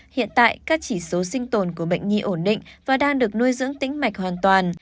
hiện tại các chỉ số sinh tồn của bệnh nhi ổn định và đang được nuôi dưỡng tính mạch hoàn toàn